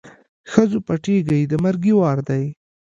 ښځو پټېږی د مرګي وار دی